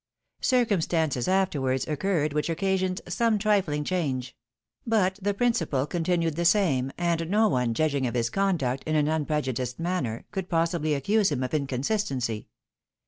Circum stances afterwards occurred which occasioned some trifling change ; but the principle continued the same, and no one, judging of his conduct in an unprejudiced manner, could possibly accuse him of inconsistency.